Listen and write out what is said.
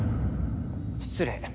失礼。